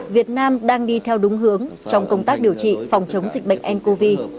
việt nam đang đi theo đúng hướng trong công tác điều trị phòng chống dịch bệnh ncov